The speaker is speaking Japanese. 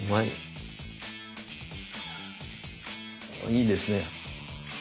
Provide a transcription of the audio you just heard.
いいですね。